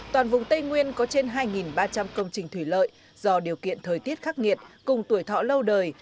toàn vùng tây nguyên có trên hai ba trăm linh công trình thủy lợi do điều kiện thời tiết khắc nghiệt cùng tuổi thọ lâu đời